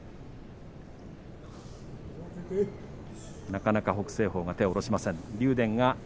なかなか北青鵬が手を下ろしません。